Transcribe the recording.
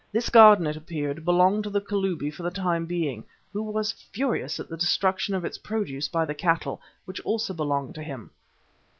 This garden, it appeared, belonged to the Kalubi for the time being, who was furious at the destruction of its produce by the cattle which also belonged to him.